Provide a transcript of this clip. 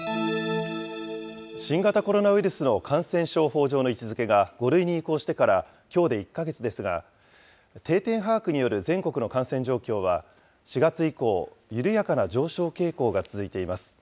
新型コロナウイルスの感染症法上の位置づけが５類に移行してからきょうで１か月ですが、定点把握による全国の感染状況は、４月以降、緩やかな上昇傾向が続いています。